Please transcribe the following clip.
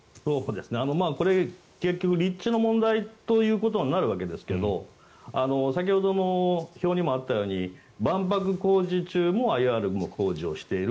これ、結局立地の問題ということになるわけですが先ほどの表にあったように万博工事中もＩＲも工事をしている。